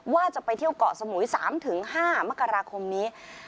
ว่าจะไปเที่ยวเกาะสมุย๓๕มกราคมนี้